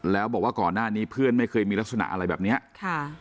แล้วบอกว่าก่อนหน้านี้เพื่อนไม่เคยมีลักษณะอะไรแบบเนี้ยค่ะ